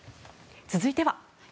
続いては。